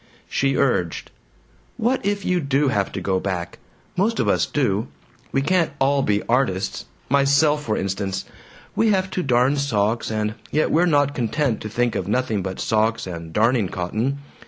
She urged, "What if you do have to go back? Most of us do! We can't all be artists myself, for instance. We have to darn socks, and yet we're not content to think of nothing but socks and darning cotton.